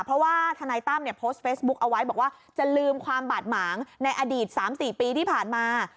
เพราะว่าทนายตั้มเนี่ยโพสต์เฟซบุ๊คเอาไว้บอกว่าจะลืมความบาดหมางในอดีต๓๔ปีที่ผ่านมา